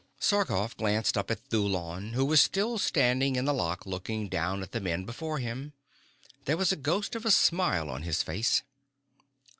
Sarkoff glanced up at Thulon who was still standing in the lock looking down at the men before him. There was a ghost of a smile on his face.